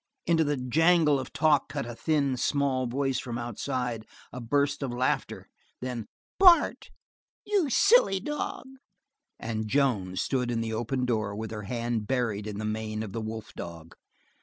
Into the jangle of talk cut a thin, small voice from outside, a burst of laughter. Then: "Bart, you silly dog!" and Joan stood at the open door with her hand buried in the mane of the wolf dog.